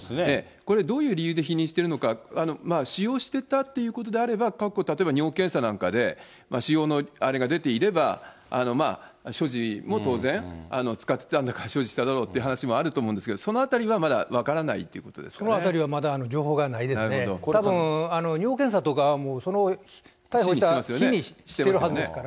これ、どういう理由で否認してるのか、使用してたということであれば、過去尿検査なんかで、使用のあれが出ていれば、所持も当然、使ってたんだから、所持してただろうっていう話もあると思うんですけど、そのあたりはまだ分からないというそのあたりはまだ情報がないですので、たぶん尿検査とかは、その逮捕した日にしてるはずです